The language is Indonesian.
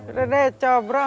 udah deh combro